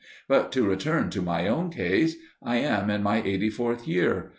But to return to my own case: I am in my eighty fourth year.